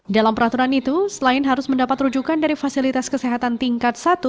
dalam peraturan itu selain harus mendapat rujukan dari fasilitas kesehatan tingkat satu